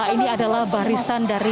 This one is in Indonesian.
ini adalah barisan dari